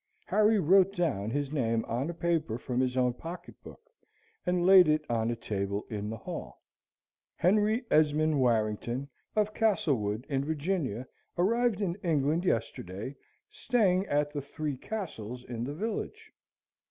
Harry wrote down his name on a paper from his own pocket book, and laid it on a table in the hall. "Henry Esmond Warrington, of Castlewood, in Virginia, arrived in England yesterday staying at the Three Castles in the village."